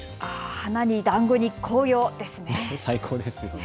花にだんごに紅葉ですね。